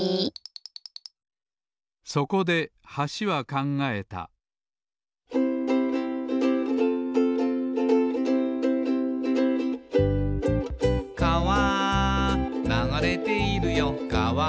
そこで橋は考えた「かわ流れているよかわ」